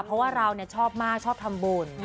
เพราะว่าเราชอบมากชอบทำบุญ